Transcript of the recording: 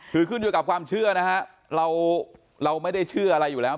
คือขึ้นอยู่กับความเชื่อนะฮะเราไม่ได้เชื่ออะไรอยู่แล้ว